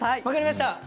分かりました。